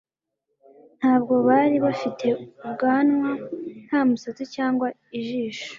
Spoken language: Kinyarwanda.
Ntabwo bari bafite ubwanwa nta musatsi cyangwa ijisho